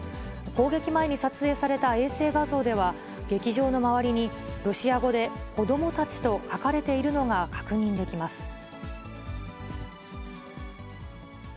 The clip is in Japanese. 攻撃前に撮影された衛星画像では、劇場の周りにロシア語で子どもたちと書かれているのが確認できます。